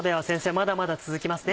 まだまだ続きますね。